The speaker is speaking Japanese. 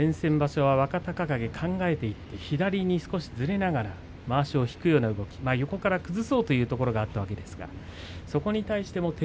先々場所は若隆景考えていって左に少しずれながらまわしを引くような動き横から崩そうというようなところがありました。